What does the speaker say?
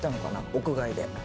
屋外で。